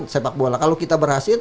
sepak bola kalau kita berhasil